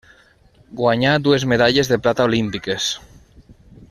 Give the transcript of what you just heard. Guanyà dues medalles de plata olímpiques.